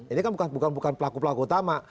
ini kan bukan pelaku pelaku utama